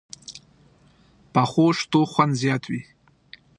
پخو شتو خوند زیات وي